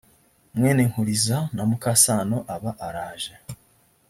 mwene nkuliza na mukasano aba araje